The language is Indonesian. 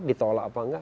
ditolak apa enggak